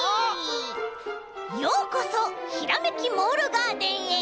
ようこそひらめきモールガーデンへ。